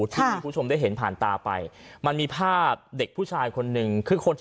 ที่คุณผู้ชมได้เห็นผ่านตาไปมันมีภาพเด็กผู้ชายคนนึง